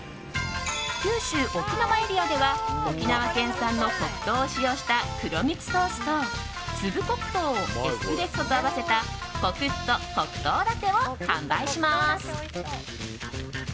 九州・沖縄エリアでは沖縄県産の黒糖を使用した黒みつソースと粒黒糖をエスプレッソと合わせたコクっと黒糖ラテを販売します。